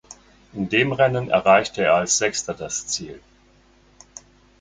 In dem Rennen erreichte er als Sechster das Ziel.